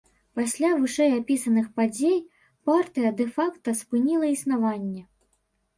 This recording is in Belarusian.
Пасля вышэйапісаных падзей, партыя дэ-факта спыніла існаванне.